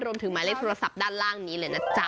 หมายถึงหมายเลขโทรศัพท์ด้านล่างนี้เลยนะจ๊ะ